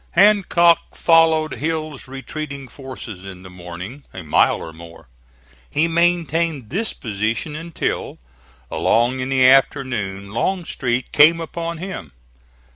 Hancock followed Hill's retreating forces, in the morning, a mile or more. He maintained this position until, along in the afternoon, Longstreet came upon him.